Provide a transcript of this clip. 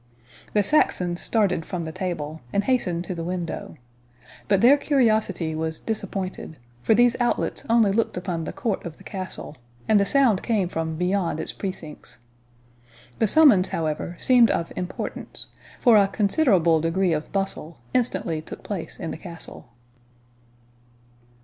The Saxons started from the table, and hastened to the window. But their curiosity was disappointed; for these outlets only looked upon the court of the castle, and the sound came from beyond its precincts. The summons, however, seemed of importance, for a considerable degree of bustle instantly took place in the castle.